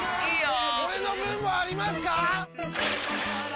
俺の分もありますか！？